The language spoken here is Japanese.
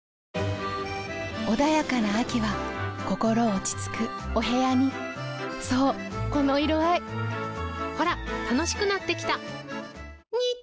穏やかな秋は心落ち着くお部屋にそうこの色合いほら楽しくなってきた！